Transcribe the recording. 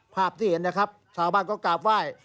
ภาพที่เห็นนะครับชาวบ้านก็กราบไหว้